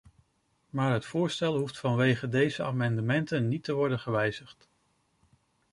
Maar het voorstel hoeft vanwege deze amendementen niet te worden gewijzigd.